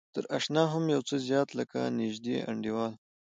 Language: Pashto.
تر اشنا هم يو څه زيات لکه نژدې انډيوال.